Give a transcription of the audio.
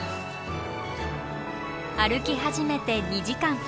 歩き始めて２時間。